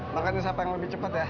makanya siapa yang lebih cepat ya